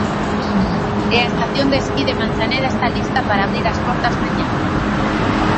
E a estación de esquí de Manzaneda está lista para abrir as portas mañá.